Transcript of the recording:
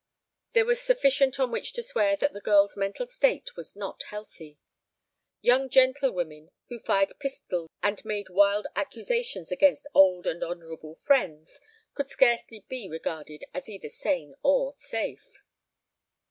There was sufficient on which to swear that the girl's mental state was not healthy. Young gentlewomen who fired pistols and made wild accusations against old and honorable friends could scarcely be regarded as either sane or safe.